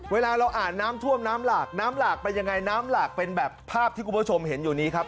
เวลาเราอ่านน้ำท่วมน้ำหลากน้ำหลากเป็นยังไงน้ำหลากเป็นแบบภาพที่คุณผู้ชมเห็นอยู่นี้ครับ